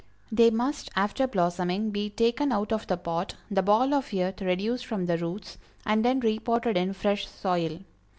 They must, after blossoming, be taken out of the pot, the ball of earth reduced from the roots, and then re potted in fresh soil.